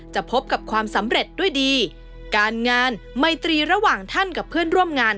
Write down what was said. พบกับความสำเร็จด้วยดีการงานไมตรีระหว่างท่านกับเพื่อนร่วมงาน